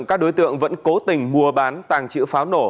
các đối tượng vẫn cố tình mua bán tàng trữ pháo nổ